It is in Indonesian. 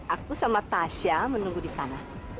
aku sama tasya menunggu di sana